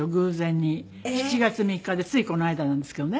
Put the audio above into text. ７月３日でついこの間なんですけどね。